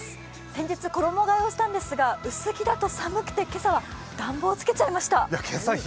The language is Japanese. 先日衣がえをしたんですが薄着だと寒くて今朝は暖房をつけちゃいました。